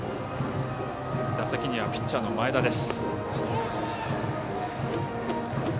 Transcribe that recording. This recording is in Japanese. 打席にはピッチャーの前田。